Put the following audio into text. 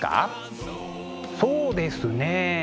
そうですね。